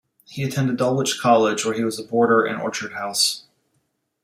He attended Dulwich College where he was a boarder in Orchard House.